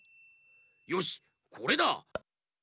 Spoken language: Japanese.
よしこれだ！